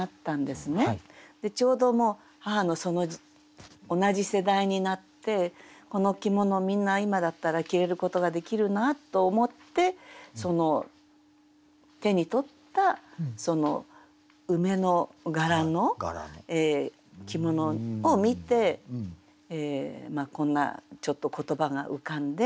ちょうど母の同じ世代になってこの着物みんな今だったら着れることができるなと思って手に取ったその梅の柄の着物を見てこんなちょっと言葉が浮かんで。